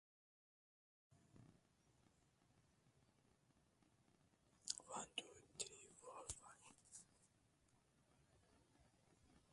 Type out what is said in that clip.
As originally built, the cutting was wide and long.